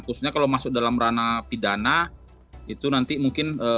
khususnya kalau masuk dalam ranah pidana itu nanti mungkin